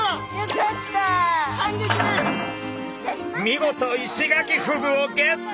見事イシガキフグをゲット！